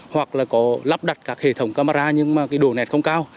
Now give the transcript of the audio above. hoặc là có lắp đặt các hệ thống camera nhưng mà cái độ nẹt không cao